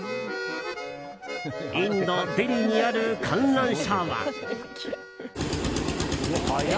インド・デリーにある観覧車は。